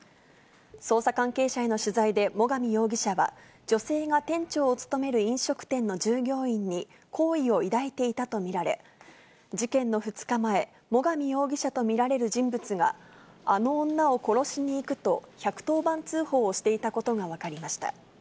捜査関係者への取材で最上容疑者は、女性が店長を務める飲食店の従業員に、好意を抱いていたと見られ、事件の２日前、最上容疑者と見られる人物が、あの女を殺しにいくと１１０番通報をしていたことが分かりました。